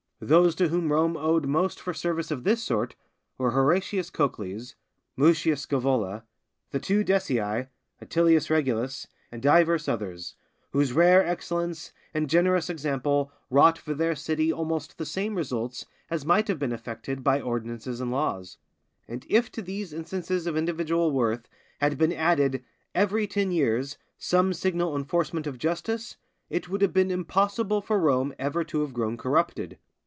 Those to whom Rome owed most for services of this sort, were Horatius Cocles, Mutius Scævola, the two Decii, Atilius Regulus, and divers others, whose rare excellence and generous example wrought for their city almost the same results as might have been effected by ordinances and laws. And if to these instances of individual worth had been added, every ten years, some signal enforcement of justice, it would have been impossible for Rome ever to have grown corrupted.